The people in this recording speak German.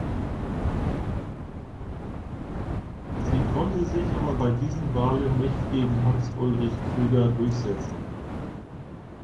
Sie konnte sich aber bei diesen Wahlen nicht gegen Hans-Ulrich Krüger durchsetzen.